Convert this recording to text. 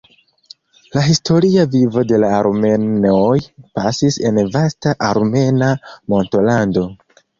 La historia vivo de la armenoj pasis en vasta armena montolando.